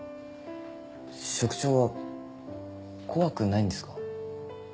職長は怖くないんですか？